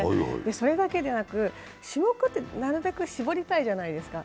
それだけでなく、種目ってなるべく絞りたいじゃないですか。